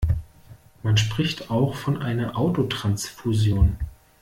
Man spricht auch von einer Autotransfusion.